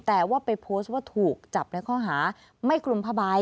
แต่ว่าไปโพสต์ว่าถูกจับในข้อหาไม่คลุมผ้าใบ